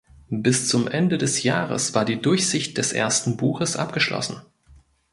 Bis zum Ende des Jahres war die Durchsicht des ersten Buches abgeschlossen.